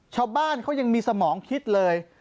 ชาวบ้านเขายังมีสมองคิดเลย